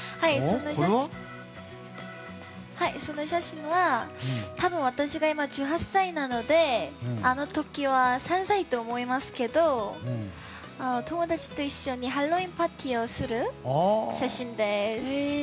その写真は、多分私が今１８歳なのであの時は３歳だと思いますけど友達と一緒にハロウィーンパーティーをする写真です。